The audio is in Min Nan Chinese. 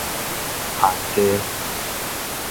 烘雞